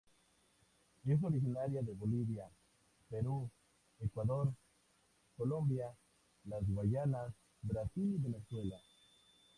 Es originaria de Bolivia, Perú, Ecuador, Colombia, las Guayanas, Brasil y Venezuela.